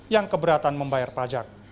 yang keberatan membayar pajak